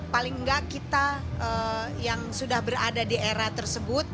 paling enggak kita yang sudah berada di era tersebut